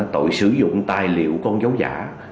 tội sử dụng tài liệu con giấu giả